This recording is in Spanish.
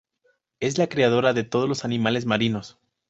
Es la creadora de todos los animales marinos.